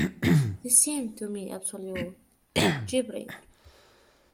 This seemed to me absolute gibbering.